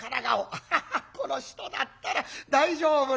「アッハハこの人だったら大丈夫だろう」。